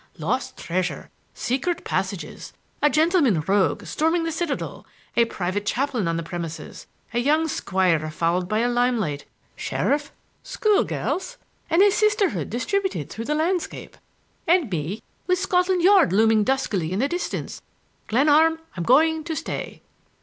Lost treasure; secret passages; a gentleman rogue storming the citadel; a private chaplain on the premises; a young squire followed by a limelight; sheriff, school girls and a Sisterhood distributed through the landscape,—and me, with Scotland Yard looming duskily in the distance. Glenarm, I'm going to stay."